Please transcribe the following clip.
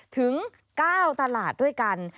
ถึง๙ตลาดด้วยกัน